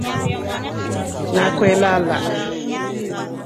NA kwelala.